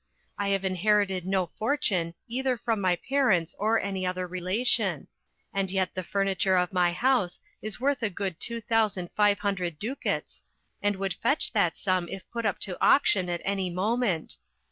I have inherited no fortune either from my parents or any other relation; and yet the furniture of my house is worth a good two thousand five hundred ducats, and would fetch that sum it put up to auction at any moment.